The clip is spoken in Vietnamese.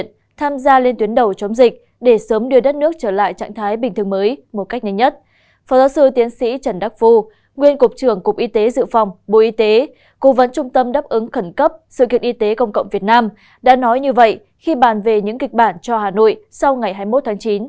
nguyên cục trưởng cục y tế dự phòng bộ y tế cố vấn trung tâm đáp ứng khẩn cấp sự kiện y tế công cộng việt nam đã nói như vậy khi bàn về những kịch bản cho hà nội sau ngày hai mươi một tháng chín